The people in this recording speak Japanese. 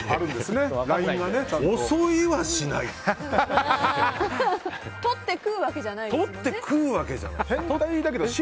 襲いはしない！とって食うわけじゃないですよね。とって食うわけじゃない。